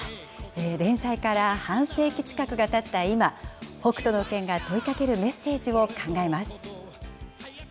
連載から半世紀近くがたった今、北斗の拳が問いかけるメッセージを考えます。